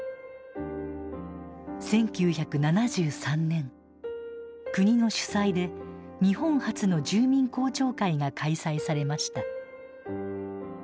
１９７３年国の主催で日本初の住民公聴会が開催されました。